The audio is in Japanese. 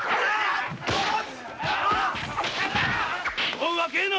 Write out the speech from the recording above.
おう若えの！